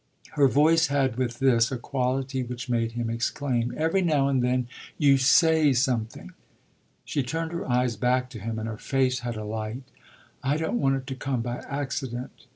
Her voice had with this a quality which made him exclaim: "Every now and then you 'say' something !" She turned her eyes back to him and her face had a light. "I don't want it to come by accident."